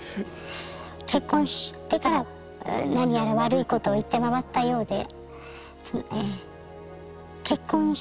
結婚してから何やら悪いことを言って回ったようで。